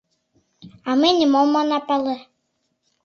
А ме нимом она пале.